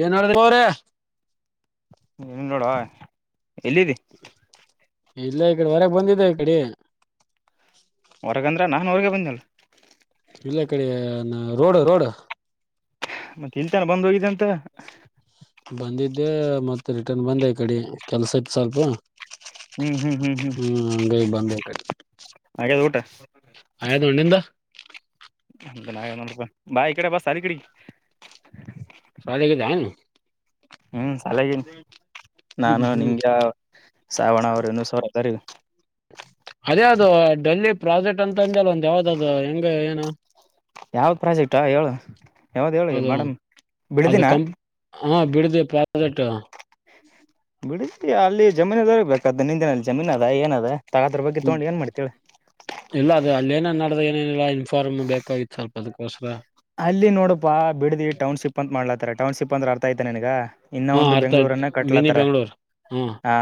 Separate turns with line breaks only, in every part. ಏನ್ ಆ ಅವ್ರ [inaudible]
ನೀನ್ ನೋಡುವ ಎಲ್ಲಿದ್ದಿ [inaudible]
ಇಲ್ಲ ಈ ಕಡೆ ಹೊರಗೆ ಬಂದಿದೆೇ ಈ ಕಡೆ
ಹೊರಗಂದ್ರೆ ನಾನು ಅವ್ರಗೆ ಬಂದಲ್
ಇಲ್ಲ ಕಡೆ ರೋಡ್ ರೋಡ್
ಮತ್ತೆ ಇಲ್ತನ ಬಂದ್ ಹೋಗಿದೆ ಅಂತ
ಬಂದಿದ್ದೆ ಮತ್ತತ್ ರಿಟರ್ನ್ ಬಂದೆ ಈ ಕಡೆ ಕೆಲ್ಸ ಇತ್ ಸ್ವಲ್ಪ
ಹ್ಮ್ ಹ್ಮ್
ಹ್ಮ್ ಗೈ ಬಂದಕ
ಹಾಗೆದು ಊಟ
ನಿಂದ
ಅ ನ ನ ಬ ಇಕಡೆ ಬಸ್ ಸಲ್ಲಿ ಕಡಿ
ಸ್ವದಿಗೆದ್ದನ
ಹ್ಮ್ ಅಲಾಗಿ
ಹ್ಮ್
ನಾನು
ಹ್ಮ್
ನಿಂಗಗೆ ಸಾವಣ ಅವರು ಸರಿ
ಅದೇ ಅದು ಡೆಲ್ಲಿ ಪ್ರಾಜೆಕ್ಟ್ ಅಂತ ಅಂದಲ್ಲ ಒಂದ ಯಾವ್ದ ಅದು ಹೆಂಗ ಏನು
ಯಾವ್ದ್ ಪ್ರಾಜೆಕ್ಟಾ ಹೇಳು ಯಾವ್ದ್ ಹೇಳು
ಅದು
ಮೇಡಮ್
ಅದು
ಬಿಡದಿನ
ಕಂ ಹಾ ಬಿಡಿದೆ ಪ್ರಡಕ್ಟ್
ಬಿಳಿತ ಅಲ್ಲಿ ಜಮೀನ್ದ ಬೇಕಾದ ನಿಂದಿನಲ್ಲಿ ಜಮೀನ್ ಅದ ಏನದ ತಗದ್ರ ಬಗ್ಗೆ
ಹ್ಮ
ತೊಗೊಂಡ್ ಏನ್ ಮಾಡ್ತೇಳ
ಇಲ್ಲ ಅದ ಅಲ್ಲಿ ಏನ ಏೇನಿಲ್ಲ ಇನ್ಫಾರ್ಮ್ ಬೇಕಾಗಿತ್ತು ಸ್ವಲ್ಪದಕೋಸ್ರ
ಅಲ್ಲಿ ನೋಡಪಾ ಬಿಡಿ ಟೌನ್ಶಿಪ್ ಅಂತ ಮಾಡ್ಲಾತಾರ ಟೌನ್ ಶಿಪ್ ಅಂದ ಅರ್ಥ ಆಐತೆನೆ ನನ್ಗ ಇನ್ನ
ಹಾ
ಒಂದು
ಅರ್ಥ ಆಯ್ತು
ಬೆಂಗ್ಳೂರನ್ನ
ಮಿನಿ
ಕಟ್ಲತ್ತರ
ಬೆಂಗಳೂರು ಹ್ಮ್
ಹಾ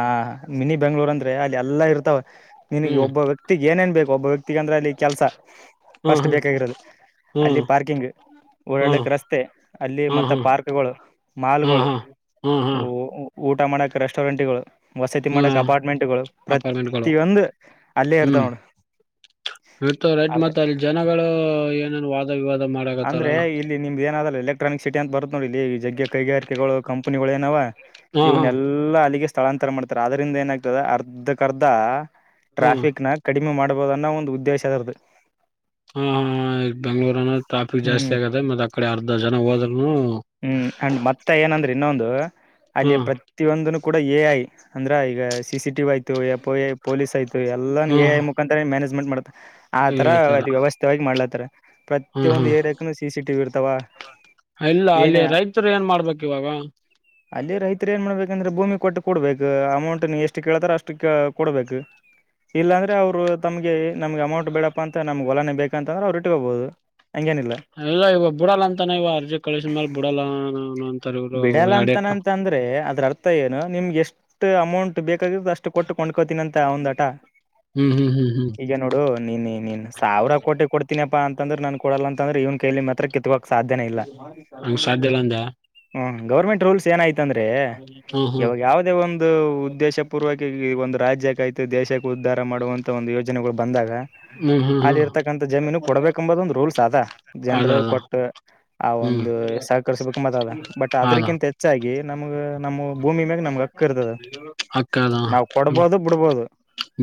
ಮಿನಿ ಬೆಂಗ್ಳೂರ್ ಅಂದ್ರೆ ಅಲ್ಲಿ ಎಲ್ಲ ಇರ್ತವೆ ನಿನಗ್
ಹ್ಮ್
ಒಬ್ಬ ವ್ಯಕ್ತಿಗ್ ಏನೇನ್ ಬೇಕು ಒಬ್ಬ ವ್ಯಕ್ತಿಗೆ ಅಂದ್ರೆ ಅಲ್ಲಿ ಕೆಲಸ
ಹ್ಮ್
ಫಸ್ಟ್
ಹ್ಮ್
ಬೇಕಾಗಿರೋದು ಅಲ್ಲಿ
ಹ್ಮ್
ಪಾರ್ಕಿಂಗ್
ಹ್ಮ್
ಓಡಾಡ್ಲಿಕೆ ರಸ್ತೆ ಅಲ್ಲಿ
ಹ್ಮ್
ಮತ್ತ
ಹ್ಮ್
ಪಾರ್ಕ್ಗಳು
ಹಾ
ಮಾಲ್ಗಳು
ಹಾ ಹಾ ಹಾ
ಊಟ ಮಾಡಕ್ ರೆಸ್ಟೋರೆಂಟ್ಗಳು ವಸತಿ
ಹ್ಮ
ಮಾಡಕ್ ಅಪಾರ್ಟ್ಮೆಂಟ್ಗಳು
ಅಪಾರ್ಟ್ಮೆಂಟ್ಗಳು
ಪ್ರತಿಯೊಂದು ಅಲ್ಲೇ ಇರ್ತಾವ ನೋಡು
ಇತ ರೈಟ್
ಅರ್ಥ
ಮತ್ತ ಅಲ್ಲಿ ಜನಗಳು ಏನೇನು ವಾದ ವಿವಾದ ಮಾಡಕತ್ತಾರ
ಅಂದ್ರೆ ಇಲ್ಲಿ ನಿಮ್ದ ಏನಾದ ಎಲೆಕ್ಟ್ರಾನಿಕ್ ಸಿಟಿ ಅಂತ ಬರುತ್ ನೋಡಿ ಇಲ್ಲಿ ಜಗ್ಗೆ ಕೈಗಾರಿಕೆಗಳು ಕಂಪನಿಗಳುಏನಾವ
ಹಾ ಹಾ
ಇವನ್ನ ಎಲ್ಲಾ ಅಲ್ಲಿಗೆ ಸ್ಥಳಾಂತರ ಮಾಡ್ತಾರೆ ಅದ್ರಂದ ಏನಾಗ್ತದೆ ಅರ್ಧಕ್ ಅರ್ಧ
ಹಾ
ಟ್ರಾಫಿಕ್ ನ ಕಡಿ ಮಾಡಬೋದನ್ನ ಒಂದು ಉದ್ದೇಶ ಅದರದು
ಹಾ ಹಾ ಬೆಂಗ್ಲೋರ ಅನ ಟಾಫಿಕ್
ಹ್ಮ್
ಜಾಸ್ತಿ ಆಗತ್ತೆ ಮತ್ತೆ ಅ ಕಡೆ ಅರ್ಧ ಜನ ಹೋದ್ನು
ಹ್ಮ್ ಅಂಡ್ ಮತ್ತ ಏನಂದ್ರೆ ಇನ್ನೊಂದು ಅಲ್ಲಿ
ಹ್ಮ್
ಪ್ರತಿಯೊಂದನು ಕೂಡ ಎ ಐ ಅಂದ್ರ ಈಗ ಸಿ ಸಿ ಟಿ ಆಯತು ಎ ಪ ಎ ಪೊಲೀಸ್ ಆಯತ ಎಲ್ಲ ಎ
ಹ್ಮ್
ಐ ಮುಖಾಂತರ ಮ್ಯಾನೇಜ್ಮೆಂಟ್ ಮಾಡ ಆ ತರ ಅಲ್ಲಿ ವ್ಯವಸ್ಥೆವಾಗಿ ಮಾಡ್ಲತ್ತಾರ ಪ್ರತಿಯ
ಹ್ಮ್
ಒಂದು ಏರಿಯಾಕನು ಸಿ ಸಿ ಟಿವಿ ಇರ್ತಾವ
ಎಲ್ಲ ಅಲ್ಲಿ
ಏನೇ
ರೈತರು ಏನ್ ಮಾಡ್ಬೇಕಕ್ ಇವಾಗ
ಅಲ್ಲಿ ರೈತರು ಏನ್ ಮಾಡ್ಬೇಕಂದ್ರೆ ಭೂಮಿ ಕೊಟ್ಟು ಕೊಡ್ಬೇಕ ಅಮೌಂಟ್ ನೀ ಎಷ್ಟು ಕೇಳ್ತಾರ ಅಷ್ಟು ಕೊಡ್ಬೇಕು ಇಲ್ಲಾಂದ್ರೆ ಅವ್ರು ತಮ್ಗೆ ನಮ್ಗೆ ಅಮೌಂಟ್ ಬೇಡಪ್ಪಾ ಅಂತ ನಮ್ಗೆ ಒಲನೆ ಬೇಕಂತ ಅಂದ್ರೆ ಅವ್ರು ಇಟ್ಕೋಗಬಹುದು
ಇಲ್ಲ ಇವ ಬ ಬಿಡಲ್ಲ ಅಂತಾನ ಇವ ಅರ್ಜಿ ಕಳಿಸ ಮೇಾಲ ಬ ಬಿಡಲ್ಲ ಅಂತಾರ ಇವ್ರು
ಬಿಡಲ್ಲ
ಎಡಟ್
ಅಂತನಂತ ಅಂದ್ರೆ ಅದ್ರ ಅರ್ಥ ಏನು ನಿಮ್ಗೆ ಎಷ್ಟ್ ಅಮೌಂಟ್ ಬೇಕ ಅಷ್ಟು ಕೊಟ್ಟು ಕೊಂಡ್ಕೋತೀನಿ ಅಂತ ಒಂದ ಆಟ
ಹ್ಮ್ ಹ್ಮ ಹ್
ಈಗ ನೋಡು ನೀ ನೀನ್ ಸಾವರ ಕೋಟಿ ಕೊಡ್ತೀನಿಪ್ಪಾ ಅಂತಂದ್ರೆ ನನ್ ಕೊಡಲ್ಲ ಅಂತಂದ್ರೆ ಇವನ್ ಕೈಯಲಿ ಮಾತ್ರ ಕಿತ್ಕಕ್ತ
ಹಂಗ ಸಾಧ್ಯಲ್ಲ ಅಂದ
ಹ ಗೌರ್ಮೆಟ್ ರೂಲ್ಸ್ ಏನಾಯ್ತ್ ಅಂದ್ರೆ
ಹ್ಮ್ ಹ್ಮ್
ಇವಾಗ ಯಾವವುದೇ ಒಂದು ಉದ್ದೇಶ ಪೂರ್ವಕ ಒಂದು ರಾಜ್ಯಕೈ್ತಿ ಮ ದೇಶಕ್ಕೆ ಉದ್ಧಾರ ಮಾಡುವಂತ ಒಂದು ಯೋಜನೆಗಳು ಬಂದಾಗ
ಹ್ಮ್ ಹ್ಮ್
ಅಲ್ಲಿ
ಹ್ಮ್
ಇರ್ತಕ್ಕಂತ ಜಮೀನು ಕೊಡ್ಬೇಕಂಬದ ಒಂದ್ ರೂಲ್ಸ್ ಅದ
ಅದ
ಜನ್ರು
ಅದ
ಕೊಟ್ಟ ಆ
ಹ್ಮ್
ಒಂದು ಸಹಕರ್ರಿಸ್ಬೇಕ ಮಾತ ಅದ ಬಟ್ ಅದ್ರಕ್ಕಿಂತ ಹೆಚ್ಚಾಗಿ ನಮ್ಗ ನಮ್ಮ ಭೂಮಿ ಮ್ಯಾಗ ನಮ್ಗ್ ಹಕ್ಕ ಇರ್ತದ
ಅಕ್ಕದಾ
ನಾವ್ ಕೊಡ್ಬೋದು ಬಿಡ್ಬೋದು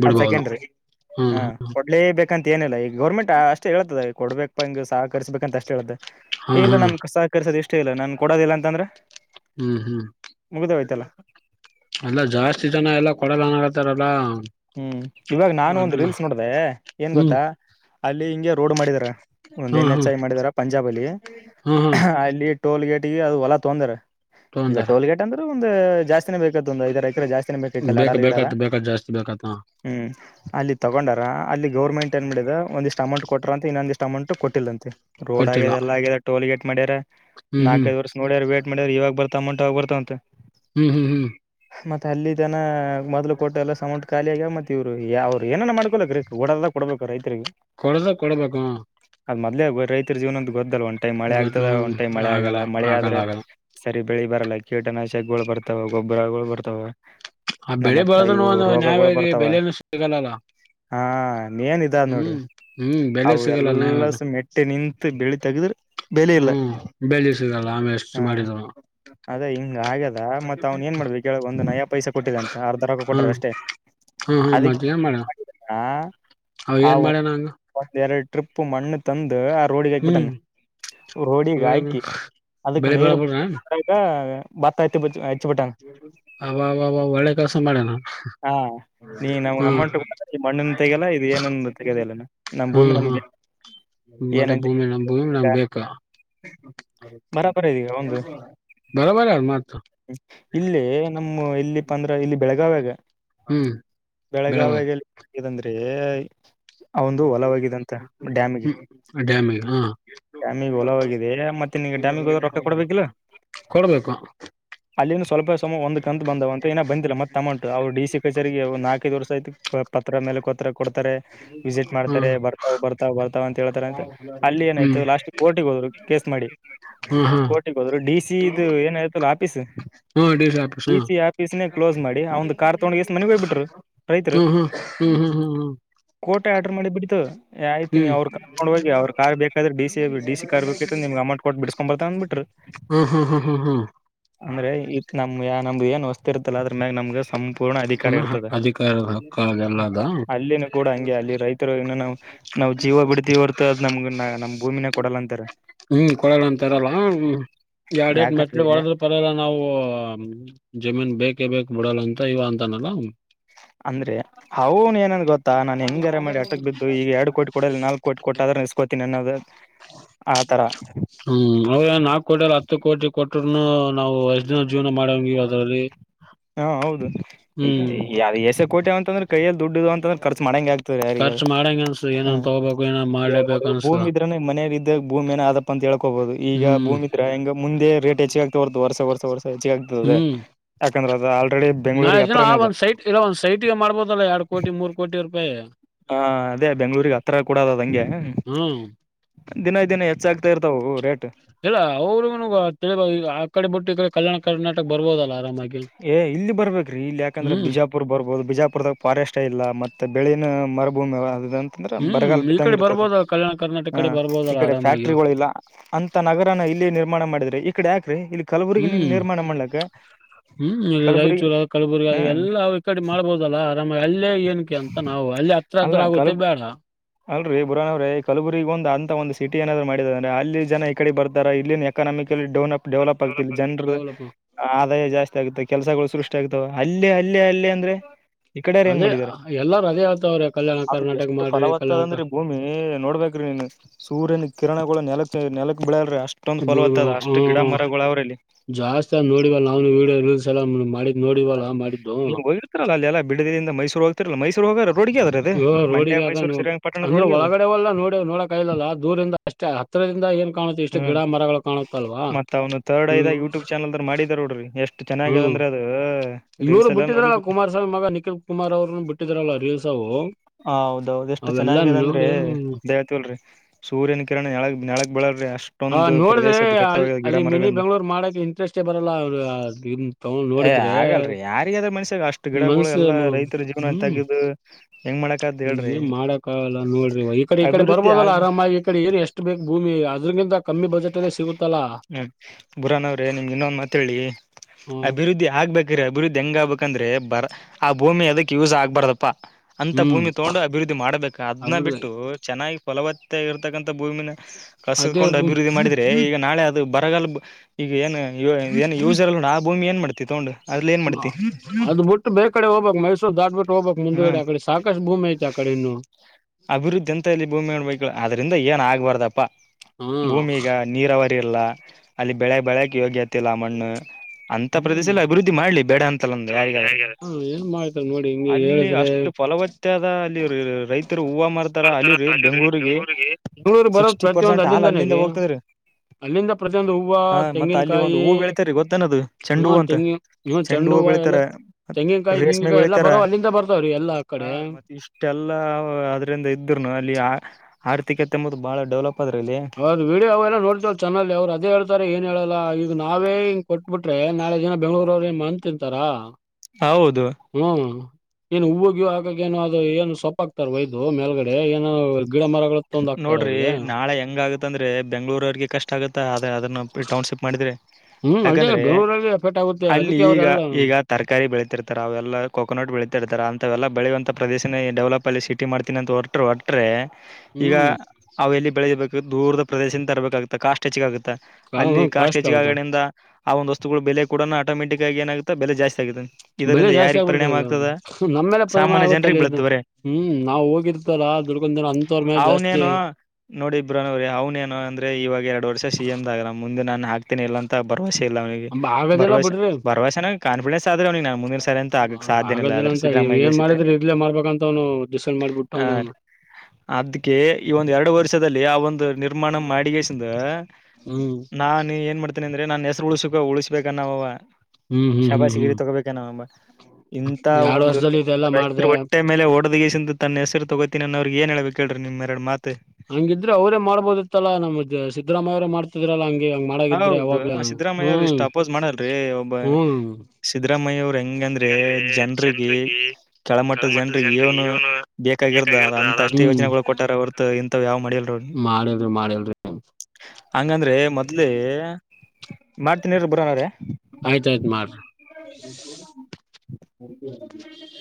[inaudible]
ಅದ್
ಬಿುಡ್ಬೌದು
ಸೆಕೆಂಡ್ರಿ ಹಾ ಕೊಡ್ಲೇಬೇಕಂತ ಏನಿಲ್ಲ ಈ ಗೌರ್ಮೆಂಟ್ ಅಷ್ಟೇ ಹೇಳತದ ಕೊಡ್ಬೇಕಾ ಹಂಗ ಸಹಕರ್ರಿಸ್ಬೇಕಂತ ಅಷ್ಟ್ ಹೇಳ್ದೆ
ಹ್ಮ್
ಇಲ್ಲ
ಹ್ಮ್
ನಮ್ ಸಹಕರಿಸಸೋದ ಇಷ್ಟೇ ಇಲ್ಲ ನಾನ್ ಕೊಡೋದಿಲ್ಲ ಅಂತಂದ್ರ
ಹ್ಮ್ ಹ್ಮ್ ಅಲ್ಲ ಜಾಸ್ತಿ ಜನ ಎಲ್ಲಾ ಕೊಡಲ್ಲತಾರಲ್ಲ
ಹ್ಮ್ ಇವಾಗ ನಾನು ಒಂದ್ ರೀಲ್ಸ್ ನೋಡ್ದ ಏನ್
ಹ್ಮ್
ಗೊತ್ತಾ ಅಲ್ಲಿ ಹಿಂಗೆ ರೋಡ್ ಮಾಡಿದಾರ ಒಂದ್
ಹ್ಮ್
ಎನ್ ಎಚ್
ಹ್ಮ್
ಐ ಮಾಡಿದಾರ ಪಂಜಾಬ್ ಅಲ್ಲಿ
ಹ್ಮ್ ಹ್ಮ್
ಅಲ್ಲಿ ಟೋಲ್ ಗೇಟ್ ಅದು ಹೊಲ ತೊಂದರೆ ಈಗ
ತಗೊಂದಾರ
ಟೋಲ್ ಗೇಟ್ ಅಂದ್ರೂ ಒಂದು ಜಾಸ್ತಿನೇ ಬೇಕತ್ ಒಂದಂದು ಐದರ ಎಕರೆ ಜಾಸ್ತಿನೇ ಬೇಕೈತಲ್ಲ
ಬೇಕ
ಲಡಾಲ್ ಗಿಡಲ್ಲ
ಬೇಕತ್ ಬೇಕತ್ ಜಾಸ್ತಿ ಬೇಕತ್
ಹ್ಮ್ ಅಲ್ಲಿ ತಗೊಂಡಾರ ಅಲ್ಲಿ ಗೌರ್ಮೆಂಟ್ ಏನ್ ಮಾಡಿಡಿದೆ ಒಂದಿಷ್ಟ ಅಮೌಂಟ್ ಕೊ ಕೊಟ್ಟ್ರ ಅಂತ ಇನ್ನಂದಿಷ್ಟ ಅೌಂಟ್ ಕೊಟ್ಟಿಲ್ಲ ಅಂತೆ ರೋಡ್
ಕೊಟ್ಟಿಲ್ಲ
ಆಗಿದೆ ಎಲ್ಲ ಆಗಿದೆ ಟೋಲ್ ಗೇಟ್ ಮಾಡ್ಯಾರ
ಹ್ಮ್ ಹ್ಮ್
ನಾಕಕೈದ್ ಐದು ವರ್ಷ ನೋಡ್ಯಾರ ವೇಟ್ ಮಾಡ್ಯಾರ ಇವಾಗ ಬರ್ತಟ ಬರ್ತಂತೆ
ಹ್ಮ್ ಹ್ಮ್ ಹ್ಮ್
ಮತ್ತೆ ಅಲ್ಲಿ ಇದನ ಮೊದಲು ಕೊಟ್ಟು ಎಲ್ಲ ಸೌಂಡ್ ಖಾಲಿಯಾಗ ಮತ್ತ ಇವ್ ಯಾವ ಅವ್ ಏನ ಮಾಡಕೋಕಕ್ ರೀ ಓಡದ ಕೊಡ್ಬೇಕು ರೈತರಿಗೆ
ಕೊಡಸ ಕೊಡಬೇಕು
ಅದ ಮದಲೆ ರೈತರ ಜೀವನದ ಗೊದಲ್ಲ ಒಂದ್ ಟೈಮ್ ಮಳೆ
ಗಟ್
ಆಗ್ತದ ಒಂದ್ ಟೈಮ ಮಳೆ ಆಗಲ್ಲ ಮಳೆ
ಆಗಲ್ಲ
ಆದ್ರೆ
ಆಗಲ್ಲ
ಸರಿ ಬೆಳಿ ಬರಲ್ಲ ಕೀಟನಾಶಕಗಳು ಬರ್ತಾವ ಗೊಬ್ಬರಗಳು ಬರ್ತಾವ
ಆ
ನಮ್ಮ
ಬೆಳೆ
ಮತ್ತ
ಬರೋದನು
ಇವು
ಒಂದು
ರೋಗಗಳು
ನ್ಯಾಯವಾಗಿ
ಬರ್ತಾವ
ಬೆಲೆಯನು ಸಿಗಲ್ಲಲ್ಲ
ಹಾ ಏನ್ ಇದಾದ್ ನೋಡ್ರಿ
ಹ್ಮ್ ಹ್ಮ್ ಬೆಲೆ
ಅವು
ಸಿಗಲ್ಲಲ್ಲ ನಾವಾಗ
ಎಲ್ಲಸ ಮೆಟ್ಟಿ ನಿಂತು ಬೆಳಿ ತೆಗದ್ರ ಬೆಲೆ ಇಲ್ಲ
ಹ್ಮ್ ಬೆಳಿ ಸಿಗಲ್ಲ ಆಮೇ ಎಷ್ಟು
ಹಾ
ಮಾಡಿದ್
ಅದೇ ಹಿಂಗ ಆಗ್ಯದ ಮತ್ತತ್ ಅವ್ನ್ ಏನ್ ಮಾಡಬೇಕ ಕೇಳ ಒಂದು ನಯಾ ಪೈಸ ಕೊಟ್ಟಿದೆ ಅಂತ ಅರ್ಧ ರಕ ಕೊಟ್ಟಾರ ಅಷ್ಟೇ
ಹಾ ಹಾ
ಅದಕ್ಕೆ
ಮಜೆ ಮಾಡಾರ
ಆ
ಅವ
ಆ
ಏನ್
ಒಂದ್
ಮಾಡ್ಯ ನಂಗ
ಒಂದ್ ಎರಡ್ ಟ್ರಿಪ್ ಮಣ್ಣು ತಂದು ಆ ರೋಡಿಗೆ ಹಾಕ್ಬಿಟ್ಟಾನ
ಹ್ಮ್
ರೋಡಗ
ಬೆಳೆ
ಹಾಕಿ ಅದಕ್ಕೆ
ಬೆಳೆ
ನೀರು
ಬೆಳಬಿಡ್ರ
ಬ ಭತ್ತ ಐತಿ
ಅವ ಒಳ್ಳೆ ಕೆಲಸ ಮಾಡ್ಯ ನ
ಹಾ ನೀ ನಮ್ ಅಮೌಂಟ್ ಕೊಡ ಮಣ್ಣನ್ ತೆಗಲ್ಲ ಇದು ಏನನ್ ತಗದಲ್ಲ ನಮ್ ಭೂಮಿ ನಮ್ಗೆ
ಮಟ್ಟ
ಏನಂತ
ಭೂಮಿ ನಮ ಭೂಮಿ ನಮ ಬೇಕಾ
ಬರಾಬರ ಇದೀಗ ಒಂದು
ಬರಬರ ಯಾರ ಮತ [inaudible]
ಇಲ್ಲಿ ನಮ್ಮ ಇಲ್ಲಿಪ್ಪ ಅಂದ್ರ ಇಲ್ಲಿ ಬೆಳಗಾವ್ಯಾಗ
ಹ್ಮ್ ಬೆಳಗಳ
ಹದಂದ್ರೆ ಅವಂದು ಹೊಲವಾಗಿದೆಂತ ಡ್ಯಾಮಿಗೆ
ಡ್ಯಾಮಿಗೆ ಹಾ
ಡ್ಯಾಮಿಗೆ ಹೊಲವಾಗಿದೆ ಮತ್ತೆ ಡಾಮಿಗ ರೊಕ್ಕ ಕೊಡ್ಬೇಕಿಲ್ಲ
ಕೊಡ್ಬೇಕು
ಅಲ್ಲಿನ ಸ್ವಲ್ಪ ಸಮ ಒಂದ ಕಂತ ಬಂದವ ಅಂತ ಏ ಬಂದಿಲ್ಲ ಮತ್ತ ತಮ್ಮಂಟು ಅವ್ರ ಡಿ ಸಿ ಚಾರಿಗೆ ಒ ನಾಲ್ಕೈದು ವರ್ಷ ಆಯ್ತಿ ಪತ್ರ ಮೇಲೆ ಹತ್ರರ ಕೊಡ್ತಾರೆ ವಿಸಿಟ್
ಹ್ಮ್
ಮಾಡ್ತಾರೆ ಬರ್ತಾವ ಬರ್ತಾವ ತಾವ ಅಂತ ಹೇಳ್ತಾರ ಅಂತೆ ಅಲ್ಲಿ
ಹ್ಮ್
ಏನಾಯ್ತ ಲಾಸ್ಟ್ ಕೋರ್ಟ ಓದ್ರು ಕೇಸ್ ಮಾಡಿ
ಹ್ಮ್ ಹ್ಮ್
ಕೋರ್ಟ್ಗೆ ಗೆ ಹೋದರು ಡಿ ಸಿ ಇದು ಏನಾಯಯ್ತಲ್ಲ ಆ
ಹ್ಮ್ ಡಿ ಸಿ ಆಫೀಸ್
ಸಿ ಆಫೀಸ್ನೇ ಕ್ಲೋಸ್ ಮಾಡಿ ಅವಂದು ಕಾರ್ ತಗೊಂಡ್ ಮನೆಗೆ ಹೋಗ್ಬಿಟ್ಟರು ರೈತ್
ಹ್ಮ್ ಹ್ಮ್ ಹ್ಮ್ ಹ್ಮ್
ಕೋಟೆ ಆರ್ಡರ್ ಮಾಡಿ ಬಿಡ್ತು ಆಯ್ತತಿ
ಹ್ಮ್
ನೀವ್್ರ ಕಕೊಂಡ್ ಹೋಗಿ್ರರುಾರ್ ಬಾದ್ರ ಡ ಸಿ ಡಿ ಸಿ ಕಾರ್ ಬೇಕೈತ್ ನಿಮಗೆ ಅಮೌಂಟ್ ಕೊಟ್ಟ ಬಿಡಿಸಕ್ ಬರ್ತಾವ ಅಂದ್ಬಿಟ್ಟರು
ಹ್ಮ ಹ್ಮ ಹ್ಮ ಹ್
ಅಂದ್ರೆ ಇತ್ ನಮ್ ಯ ನಮ್ದು ಏನ್ ವಸ್ತಿ ಇರ್ತ್ತಲ್ಲ ಅದ್ರ ಮ್ಯಾಗ ನಮ್ಗ ಸಂ
ಪುನಃ ಅಧಿಕಾರದ ಹಕ್ಕದೆ
ಹ
ಎಲ್ಲದ
ಅಲ್ಲಿನ ಕೂಡ ಹಂಗೆ ಅಲ್ಲಿ ರೈತರು ಇನ್ನು ನಾವು ನಾವು ಜೀವ ಬಿಡ್ತೀವಿ ಹೊರ್ತು ಅದ್ ನಮ್ಗ ನಮ್ ಭೂಮಿನ ಕೊಡಲ್ಲ ಅಂತಾರ
ಹ್ಮ್ ಕೊಡ ಅಂತ ಇರಲ್ಲ ಹ್ಮ್ [inaudible] ಎರಡ್ ಎರಡು ಮೆಟ್ಳ
ಯಾಕಂದ್ರೆ
ಹೊರದ್ರ ಪರಲ್ಲ ನಾವು ಜಮೀನ್ ಬೇಕೇ ಬೇಕಕ್ ಬಿಡಲ್ಲ ಅಂತ ಇವ ಅಂತಾನಲ್ಲ
ಅಂದ್ರೆ ಅವ್ನು ಏನನ್ ಗೊತ್ತ ನಾ ಹೆಂಗಾರ ಮಾಡಿ ಅಟಕ್ ಬಿದ್ದು ಈಗ ಎರಡು ಕೋಿ ಕೊಡ ನಾಲ್ಕ ಕೋಟಿ ಕೊಟ್ಟ ಅ್ರ ಇಪ್ಪತ್ತಿನನ್ನದ
ಹ್ಮ್ ಅವ್ರನ್ ನಾಕು ಕೋಟಿ ಎಲ್ಲ ಹತ್ತು ಕೋಟಿ ಕೊಟ್ಟ ಕ್ ನಾವು ಎಷ್ಟ್ ದಿನ ಜೀವನ ಮಾಡಂಗಗೆ ಅದರಲ್ಲಿ
ಹಾ ಹೌದು ಈಗ ಯಾರ ಎಸ ಕೋಟೆ ಕೈಯಲ್ಲಿ ದುಡ್ಡ ಇ ಅಂತಂದ್ರ ಕರ್ಚು ಮಾಡಂಗಗೆ ಆಗ್ತವ್ರ ಯಾರಗ
ಖರ್ಚು ಮಾಡಂಗ ಅನ್ಸದ ಏನನ್ ತಗೋಬೇಕು ಏನ ಮಾಡ್ಲೇಬೇಕು ಅನ್ಸದ
ಭೂಮಿ ಇದ್ರ ಮನೆಗ್ ಇದಿದ್ದ ಭೂಮ ಏನ ಅದಪ್ಪ ಅಂತ ಹಕೋಬಹುದು ಈಗ
ಹ್ಮ್
ಭೂಮಿತ್ರ ಹೆಂಗ ಮುಂದೆ ರೇಟ್ ಹೆಚ್ಚಾಗಗ್ತಾ ಹೊರ್ತದು ವರ್ಸ ವರ್ಸ ವರ್ಸ ಹೆಚ್ಚಾಗಗ್ತದೆ
ನಾ ಜನ ಒಂದ್ ಸೈಟ್ ಇಲ್ಲ ಒಂದ್ ಸೈಟಿಗೆ ಮಾಡ್ಬೋದಲ್ಲ ಎರಡ್ ಕೋಟಿ ಮೂರು ಕೋಟಿ ರೂಪಾಯಿ
ಹ ಅದೇ ಬೆಂಗ್ಗಳೂರಿಗೆ ಹತ್ರ ಕೂಡ ಅದ ಹಂಗೆ
ಹ್ಮ್
ದಿನ ದಿನ ಹೆಚ್ಚಾಗ್ತಾ ಇರ್ತಾವವು ರೇಟ್
ಇಲ್ಲ ಅವರುನು ತಆ ಕಡೆ ಬಿಟ್ಟು ಈ ಕಡೆ ಕಲ್ಯಾಣ ಕರ್ನಾಟಕ ಬರ್ಬೋದಲ್ಲ ಆರಾಮಾಗಿ
ಏ ಇಲ್ಲಿ ಬರ್ಬೇಕ್ರೀ ಇಲ್ಲಿ ಯಾಕಂದ್ರೆ
ಹ್ಮ್
ಬಿಜಾಪುರ್ ಬರ್ಬಹುದು ಬಿಜಾಪುರ್ದಾಗ ಫಾರೆಸ್ಟ್ ಇಲ್ಲ ಮತ್ತತ್ ಮ ಬೆಳಿನ ಮರುಭೂಮಿ ಅಂತದ್ರೆ
ಹ್ಮ್
ಬರಗಾಲ
ಈ
ಬಿದ್ದಂಗ
ಕಡೆ
ಇರ್ತವರು
ಬರ್ಬೋದಲ್ಲ ಕಲ್ಯಾಣ ಕರ್ನಾಟಕ
ಹ
ಕಡೆ
ಈ
ಬರ್ಬೋದಲ್ಲ
ಕಡೆ
ಆರಾಮಾಗಿ
ಫ್ಯಾಕ್ಟ್ರಿಗಳು ಇಲ್ಲ ಅಂತ ನಗರ ಇಲ್ಲೇ ನಿರ್ಮಾಣ ಮಾಡಿದ್ರೆ ಈ ಕಡೆ ಯಾಕ್ರಿ ಇಲ್ಲಿ ಕಲಬುರಗಿ ನಿರ್ಮಾಣ ಮಾಡ್ಲಕ್ಕ
ಇ
ಕಲಬುರಗಿ
ರಾಯಚೂರು
ಹ
ಕಲಬುರಗಿ ಎಲ್ಲ ಕಡೆ ಮಾಡ್ಬೋುದಲ್ಲ ಆರಾಮ ಅಲ್ಲೇ ಏನಕ್ಕೆ ಅಂತ ನಾವು ಅಲ್ಲಿತ್ತ ಹತ್ರ ಆಗುತ್ತೆ ಬೇಡ
ಅಲ್ರೀ ಬುರಾನವ್ರೀ ಕಲಬುರಿಗ ಒಂದು ಅಂತ ಒಂದು ಸಿಟಿ ಏನಾದ್ರು ಮಾಡಿದಿದೆ ಅಂದ್ರೆ ಅಲ್ಲಿ ಜನ ಈ ಕಡೆ ಬರ್ತಾರ ಇಲ್ಲಿನ ಎಕಾನಾಮಿಕ್ ಡೆನಪ್ ಡೆವಲಪ್ ಆಗ್ತಿ ಜನರ
ಡೆವಲಪ್
ಆದಾಯ ಜಾಸ್ತಿ ಆಗುತ್ತೆ ಕೆಲಸಗಳು ಸೃಷ್ಟಿ ಆಗ್ತವೆ ಅಲ್ಲಿೇ ಲ್ಲಿ ಅಲ್ಲ ಅಂದ್ರೆ ಈ ಕಡ ಏನ್
ಅದೇ
ಮಾಡಿದ್ದಾರೆ
ಎಲ್ಲಾರು ಅದೇ ಹೇಳ್ತಾವ್ರೆ ಕಲ್ಯಾಣ ಕರ್ನಾಟಕ
ಎಷ್ಟು
ಮಾಡ್ರಿ
ಫಲವ
ಕಲ್ಯಾಣ
ಇರ್ತಾಡ್ರಿ ಭೂಮಿ ನೋಡ್ಬ್ರಿ ನೀನ್ ಸೂರ್ಯನ ಕಿರಣಗಳ ನೆಲಕ್ ನೆಲಕ್ ಬಿಳಲ್ರಿೀ
ಹ ಜಾಸ್ತಿ ಆದ ನೋಡಿವ ನಾವ್ ವಡಿಯೋ ರೀಲ್ಸ್ ಎಲ್ಲ ಮಾಡ
ಹ ನೀಮ್ ಹೋಗಿರ್ತರಲ್ಲ ಅಲ್ಲಿಲ್ಲಾ ಬಿಡದದಿಂದ ಮೈಸೂರು ಹೋಗತಿರಲ್ಲ ಮೈಸೂರು ಹೋಗರತ್ತ
ಹ ರೋಡಿಗೆ ಅದ ನೋ ಅಂದ್ರೆ
ರೋಡ್ಗೆ ಅದು
ಒಳಗಡೆವಲ್ಲಾ ನೋಡ ನೋಡಕ್ಲಲ್ಲ ದೂರಿಂದ ಅಷ್ಟೇ ಚತ್ರದಿಂದ ಏನ್ ಕಾಣುತ್ತೆ ಇಷ್ಟು ಗಿಡ
ಹ್ಮ್
ಮರಗಳು ಕಾಣುತ್ತಲ್ವಾ
ಮತ್ತ ಅವನು ಥರ್ಡ್ ಐದಾಗ
ಹ್ಮ್
ಯೂಟ್ಯೂಬ್ ಚಾನಲ್ದಾರ್ ಮಾಡಿದಾರ ನೋಡ್ರಿ ಎಷ್ಟು ಚೆನ್ನಾಗ್ಯದ
ಹ್ಮ್
ಅಂದ್ರೆ ಅದು
ಇವರು
ರೀಲ್ಸ್ ಎಲ್ಲ
ಬಿಟ್ಟಿದ್ರಲ್ಲ
ನೋಡಿರ್ಬೇಕು
ಕುಮಾರಸ್ವಾಮಿ ಮಗ ನಿಖಿಲ್ ಕುಮಾರ್ ಅವ್ರ ಬಿಟ್ಟಿದ್ರಲ್ಲ ರೀವ್ ಸಾವು
ಹ ಹೌದೌದು ಎಷ್ಟು ಚೆನ್ನದ ಅಂದ್ರೆ
ನೋಡಿ
ದಯವತಿಲ್ರರಿ ಸೂರ್ಯನ ಕಿರಣ ಎಳಗ್ ನಾಳಗ್ ಬೆಳಗ್
ಆ
ಅಷ್ಟೊಂದು
ನೋಡಿದ್ರೆ
ಪ್ರದೇಶದ
ಅಲ್
ಘಟ್ಟವಾಗಿ ಗಿಡ
ಅಲ್ಲಿ ಮಿನಿ
ಮರಗಳಿಂದ
ಬೆಂಗ್ಳೂರ್ ಮಾಡಕ್ ಇಂಟ್ರೆಸ್ಟೇ ಬರಲ್ಲ ಅವ್ರು ಇದ್ ತಗೊಂಡ್
ಏ
ನೋಡಿದ್ರೆ
ಆಗಲ್ರಿ ಯಾರಿಗಾದ ಯಾರಿಗಯ್ರ್ ಗ ಅಷ್ಟು ಗಿಡಗಳು
ಮನ್ಸ
ಎಲ್ಲ ರೈತರ ಜೀವನ ತೆಗದುು ಹೆಂಗ್ ಮಾಡಕ
ಹ ಏನ್ ಮಾಡಕ್ಕಾಗಲ್ಲ ನೋಡ್ರಿ ಈ ಕಡೆ ಈಕಡೆ
ಅಭಿವೃದ್ಧಿ
ಬರ್ಬೋದಲ್ಲ
ಆಗ್ಬೇಕ
ಆರಾಮಾಗಿ ಈಡೆ ಏನ್ ಎಷ್ಟ ಬೇಕ್ ಭೂಮಿ ಇದಕ್ಕಿಂತ ಕಮ್ಮಿ ಬಜೆಟ್ ಅಲ್ಲಿ ಸಿಗುತ್ತೆ
ಹ್ಮ ಬುರನ್ ಅವ್ರೆ ನಿಮ್ಗೆ ಇನ್ನೊಂದ್ ಮಾತ್ ಹೇಳಿ
ಹ್ಮ್
ಅಭಿವೃದ್ಧಿ ಆಗ್ಬೇಕ್ರಿ ಅಭಿವೃದ್ಧಿ ಹೆಂಗ ಆಗ್ಬೇಕಂದ್ರೆ ಬರ ಭೂಮಿ ಅದಕ್ ಯೂಸ್ ಆಗ್ಬಾರ್ದಪ್ಪಾ ಅಂತ
ಹ್ಮ್
ಭೂಮಿ ತಗೊಂಡು ಅಭಿವೃದ್ಧಿ ಮಾಡ್ಬೇಕು ಅದನ್ನ
ಅದ್ರ
ಬಿಟ್ಟು ಚೆನ್ನಾಗಿ ಫಲವತ್ತ ಆಗ ಇರ್ತಕ್ಕಂಥ ಭೂಮಿನ
ಅದೇ
ಕಸಿದ್ಕೊಂಡು ಅಭಿವೃದ್ಧಿ ಮಾಡಿದ್ರೆ ಈಗ ನಾಳೆ ಅದು ಬರಗಾಲ ಈಗ ಏನ್ ಏನ್ ಯೂಸರ್ಲ್ಲ ಆ ಭೂಮಿ ಏನ್ ಮಾಡ್ತಿ ತಗೊಂಡು ಅದ್ರಲ್ಲಿ ಏನ್ ಮಾಡ್ತಿ
ದಾಟ್ಬಟ್ ಬ ಮುಂದಗಡ
ಹ್ಮ್
ಕಡೆ ಸಾಕಸ ಭೂಮ ಇು ಕಡೆ
ಅಭಿವೃದ್ಧಿ ಅಂತ ಇಲ್ಲಿ ಭೂಮಿ್ ಬ ಆದ್ರಿಂದ ಏನ್ ಆಗ್ಬಾರ್ದಪ್ಪಾ
ಹಾ
ಭೂಮಿ ಈಗ ನೀರವರಿ ಇರ್ಲ್ಲ ಅಲ್ಲಿ ಬೆಳೆ ಬೆಳಕ್ ಯೋಗ್ಯತೆ ಮಣ್ಣ ಅಂತ
ಹ್ಮ್
ಪ್ರದೇಶದಲ್ಲಿ ಅಭಿವೃದ್ಧಿ ಮಾಡ್ಲಿ ಬೇಡ ಅಂತ ಯಾರಿಗಾದ್ರ
ಹ ಏನ್ ಮಾಡ್ತಾರ ನೋಡಿ ಹಿಂಗೆ
ಅಲ್ಲಿ
ಹೇಳಿದ್ರೆ
ಅಷ್ಟು ಫಲವತ್ತಾದ ಅಲ್ಲಿ ರೈತರು ಹೂವ ಮಾಡ್ತಾರ ಅಲ್ಲಿರೀ ಬೆಂಗಳೂರಿಗೆ
ಬೆಂಗಳೂರಿಗೆ ಬರೋದ್
ಸಿಕ್ಸ್ಟಿ
ಪ್ರತಿಯೊಂದು
ಪರ್ಸೆಂಟ್ ಹಾಲ್
ಅಲ್ಲಿಂದಾನೇ
ಅಲ್ಲಿಂದ
ರೀ
ಹೋಗ್ತದೀ
ಅಲ್ಲಿಂದ ಪ್ರತಿಯೊಂದು ಹೂವ
ಹಾ ಮತ್ತ ಅಲ್ಲಿ ಒಂದು
ತೆಂಗಿನಕಾಯಿ
ಹೂ ಬೆಳತೇರಿೀ ಗೊತ್ತೇನೋದು ಚೆಂಡು
ಹ್ಮ
ಹೂ ಅಂತ
ತೆಂಗಿ ಹ್ಮ
ಚೆಂಡು ಹೂ
ಹೂವ ಎಲ್ಲ ತೆಂಗಿನಕಾಯಿ
ಬೆೇಷೆ
ಗಿಂಗಿಕಾಯಿ ಎಲ್ಲ
ಬೆಳ
ಬರೋ ಅಲ್ಲಿಂದ ಬರ್ತಾವ್ರಿ ಎಲ್ಲಾ ಆ ಕಡೆ
ಅದ್ರಂದ ಇದರುನು ಅಲ್ಲಿ ಆರ್ಥಿಕತೆ ಮತ್ತು ಬಹಳ ಡೆವಲಪ್ ಆದ್ರಿ ಇಲ್ಲಿ
ಹೌದು ವಿಡಿಯೋ ಎಲ್ಲ ನೋಡ್ತವ ಚಾನಲ್ ಅವರು ಅದೇ ಹೇತಾರೆ ಏನ್ ಹೇಳ ಲ್ಲಾ ಈಗ ನಾವೇ ಹಿಂಗ್ ಕೊಟ್ಬಿಟ್ರೆ ನಾಳೆ ದಿನ ಬೆಂಗ್ಳೂರ ಅವ್ರ ಮಂದ್ ತಿಂತಾರ
ಹೌದು
ಹ್ಮ್ [inaudible] ಏನು ಹೂವ ಗ್ಯ ಹಾಗಾಗಿ ಏನೋ ಅದು ಏನು ಸೊಪ್ಪ ಆಕ್ತಾರ ಒಯ್ದು ಮೇಲ್ಗಡೆ ಏನೋ ಗಿಡ ಮರಗಳು ತೊಂದ ಹಾಕ್ತಾರ ಅವ್ರಿಗೆ
ಅಂತಂದ್ರೆ ಬೆಂಗಳೂರ್ ಅವಿಗೆ ಕಷ್ಟ ಆಗುತ್ತಾ ಅ ಅದನ್ನ ಟೌನ್ಶಿಪ್ ಮಾಡಿದ್ರೆ
ಹ್ಮ್ ಅದೇ
ಯಾಕಂದ್ರೆ
ಬೆಂಗಳೂರಲ್ಲಿ ಎಫೆಕ್ಟ್ ಆಗುತ್ತೆ
ಅಲ್ಲಿ
ಅದಕ್ಕೆ
ಈಗ
ಅವ್ರೆಲ್ಲ
ಈಗ ತರಕಾರಿ ಬೆಳತಿರ್ತಾರ ಅವೆಲ್ಲ ಕೋಕೋನಟ್ ಬೆಳತಿ ಡ್ತಾರ ಅಂತವೆಲ್ಲ ಬೆಳೆಯುವಂತ ಪ್ರದೇಶನ ಡೆವಲಪ್ ಅಲ್ಲಿ ಸಿಟಿ ಮಾಡ್ತೀನಿ ಅಂತ ಹೊಟ ಹೊಟ್ರೆ ಈಗ
ಹ್ಮ್
ಅವ ಎಲ್ಲಿ ಬೆಳೆದಿಬೇಕು ದೂರದ ಪ್ರದೇಶದಿಂದ ತರಬೇಕಾಗುತ್ತ ಕಾಸ್ಟ್ ಹೆಚ್ಚಿಗೆ ಆಗುತ್ತ ಅಲ್ಲಿ ಕಾಸ್ಟ್
ಕಾಸ್ಟ್ಲಿ ಆಗುತ್ತ
ಹೆಚ್ಚಗಗಣದಿಂದ ಆ ಒಂದು ವಸ್ತುಗಳು ಬೆಲೆ ಕೂಡ ಆಟೋಮೆಟಿಕ್ ಆಗ ಏನಾಗುತ್ತೆ ಬೆಲೆ ಜಾಸ್ತಿ ಆಗುತ್ತ
ಬೆಲೆ ಜಾಸ್ತಿ ಆಗ್ಬಿಡ್ತಲ್ ನಮ್ಮೇಲೆ ಪರಿಮಾಣ
ಸಾಮಾನ್ಯ
ಆಗುತ್ತೆ
ಜನರಿಗೆ
ಅಲ್ಲಿದು
ಬೀಳತ್ ಬರೆ
ಹ್ಮ್ ನಾವ್ ಹೋಗಿರ್ತಾರಾ ದುರ್ಕ ಅಂತವ್ರ ಮೇಲೆ ಜಾಸ್ತಿ
ಅವ್ನೇನುೋ ನೋಡಿ ಇಬ್ರನೋ್ರಿ ಅವ್ನೇನು ಅಂದ್ರೆ ಇವಾಗ ಎರಡ್ ವರ್ಷ ಸಿ ಎಮ ದಾಗರ ಮುಂದೆ ನಾನು ಹಾ ಆಗ್ತ ಇಲ್ಲ ಅಂತ ಭರವಸೆ ಇಲ್ಲ ಅವಿಗೆ
ಅಂಬ ಆಗದಿಲ್ಲ
ಭವೆ
ಬಿಡ್ರಿ
ಭರವಸೆನ ಕಾನ್ಫಡೆನ್ಸ್ ಆದ್ರೆ ಅವ್ನಿಗೆ ನ ಮುಂದಿನ ಸಾರಿ ಅಂತ ಆಗ
ಆಗೋದಿಲ್ಲ ಅಂತ ಏನ್ ಮಾಡಿದ್ರೆ ಇರ್ಲೇ ಮಾಡ್ಬೇಕಂತ ಅವನು ಡಿಸೈಡ್ ಮಾಡ್ಬಿಟ್ಟ ಅವನ ಅವನು
ಅದ್ಕ ಈ ಒಂದ ಎರಡು ವರ್ಷದಲ್ಲಿ ಆ ಒಂದು ನಿರ್ಮಾಣ ಮಾಡಿಗೆಸಂದ
ಹ್ಮ್
ನಾ ಏನ್ ಮಾಡ್ತ ಅಂದ್ರೆ ನಾನ್ ಹೆಸರು ಉಳಸಕ ಉಳಸ್ಬೇಕ ನಾವವ
ಹ್ಮ್ ಹ್ಮ್ ಹ್ಮ್
ಶಪಾಸಿ
ಹ್ಮ್
ಗಿರಿ ತಗೋಬೇಕ ನಾವವ ಇಂತ
ಎರಡ್
ಒಂದು
ವರ್ಷದಲ್ಲಿ ಇದೆಲ್ಲಾ ಮಾಡ್ದ
ರೈತರು ಹೊಟ್ಟೆ ಮೇಲೆ ಹೊಡದಗಸಂದು ತನ್ನ ಹೆಸರು ತಗೋತೀನಿನ್ನ್ ಏನ್ ಹೇಳಳ್ಬೇಕ ಕೇಳ್ರಿ ನಿಮ ಎರಡು ಮಾತ್
ಹಂಗಿದ್ರೆ ಅವ್ರೇ ಮಾಡ್ಬೋದಿತ್ತಲ್ಲಾ ನಮ್ದ ಸಿದ್ದರಾಮಯ್ಯ ಅವರೇ ಮಾಡ್ತಿದ್ರಲ್ಲ ಹಂಗ್ ಮಾಡಾಗಿದ್ರೆ
ಹೌದು
ಅವಾಗ್ಲ
ಸಿದ್ದರಾಮಯ್ಯ ಅವರು
ಹ್ಮ್
ಇಷ್ಟು ಅಪೋಸ್ ಮಾಡಲ್ರಿ ಒಬ್ಬ
ಹ್ಮ್ ಹ್ಮ್
ಸಿದ್ದರಾಮಯ್ಯ ಅವರು ಹೆಂಗಂದ್ರೆ ಜನರಿಗೆ ಕೆಳಮಟ್ಟದ ಜನರಿಗೆ ಏನು ಬೇಕಾಗಿರ್ದ ಅ ಅಂತ ಅಷ್ಟೇ ಯೋಜನೆಗಳು ಕೊಟ್ಟಾರ ಅವರತು ಇಂತ ಯಾವ್ ಮಾಡ
ಮಾಡಿಲ್ರಿ ಮಾಡಿಲ್ರಿ
ಹಂಗಂದ್ರೆ ಮತ್ತ ಮದಲ ಮಾಡ್ತೀನಿರ ಬರೋನಾರ
ಹ [inaudible]